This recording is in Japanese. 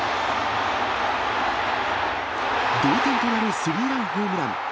同点となるスリーランホームラン。